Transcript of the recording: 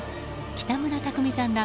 北村匠海さんら